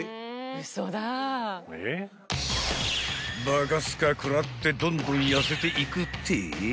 ［バカスカ食らってどんどん痩せていくって？］